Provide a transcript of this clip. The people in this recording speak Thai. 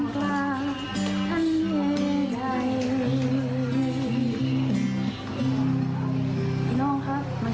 เป็นประตูนอนน่ารักที่เราต้องมีการช่วยกัน